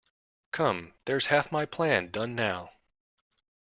Come, there’s half my plan done now!